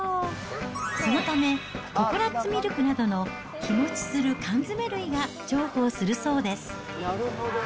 そのため、ココナッツミルクなどの、日持ちする缶詰類が重宝するそうです。